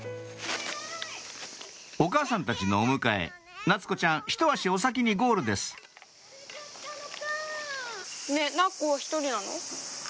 お母さんたちのお迎え夏子ちゃんひと足お先にゴールですなっこ１人なの？